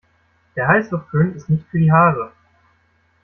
Der Heißluftföhn ist nicht für die Haare.